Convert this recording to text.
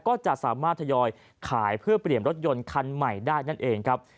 ก็จะสามารถทยอยขายเพื่อเปลี่ยนรถยนต์คันใหม่ได้นั่นเองครับ